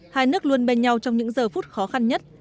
hai nước luôn bên nhau trong những giờ phút khó khăn nhất